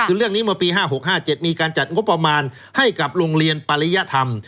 คือเรื่องนี้เมื่อปี๕๖๕๗มีการจัดงบประมาณให้กับโรงเรียนปริยธรรม